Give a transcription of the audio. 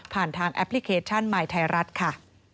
ผ่านทางแอปพลิเคชันหมายไทยรัฐค่ะ